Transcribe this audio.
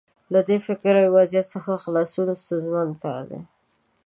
له دې فکري وضعیت څخه خلاصون ستونزمن کار دی.